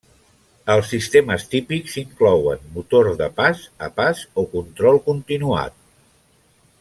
Els sistemes típics inclouen motor de pas a pas o control continuat.